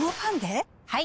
はい！